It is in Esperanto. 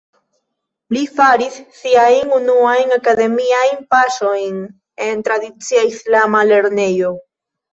Li faris siajn unuajn akademiajn paŝojn en tradicia islama lernejo.